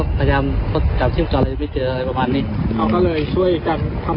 บิรุ่นเข้าไปในห้องกันเยอะไหม